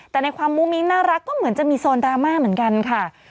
แต่ในความมุ้งมิ้งน่ารักก็เหมือนจะมีโซนดราม่าเหมือนกันค่ะ